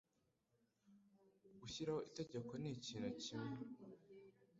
Gushyiraho itegeko ni ikintu kimwe,